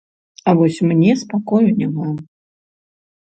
А вось мне спакою няма.